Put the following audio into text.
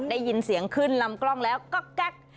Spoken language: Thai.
ได้ยินเสียงขึ้นลำกล้องแล้วก็แก๊ก